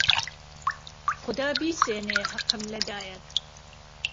خودا بیسێنێ حهقم له دایهت